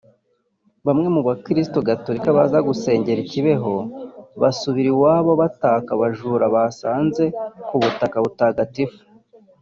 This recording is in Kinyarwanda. Bamwe mu bakiristu gatolika baza gusengera i Kibeho basubira iwabo bataka ubujura basanze ku butaka butagatifu